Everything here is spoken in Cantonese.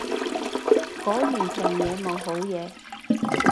果然平嘢冇好嘢